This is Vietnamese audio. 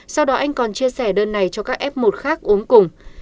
sau đó anh còn chia sẻ đơn này cho các f một khác ốm cùng